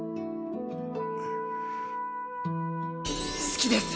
好きです！